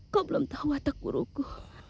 kau belum tahu watak guruku